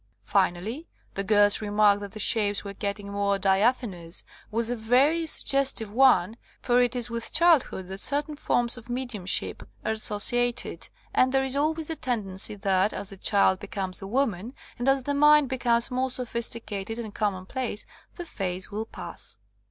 Finally, the girl's remark that the shapes were getting more diaphanous was a very suggestive one, for it is with childhood that certain forms of mediumship are associated, and there is always the tendency that, as the child becomes the woman, and as the mind becomes more sophisticated and common place, the phase will pass.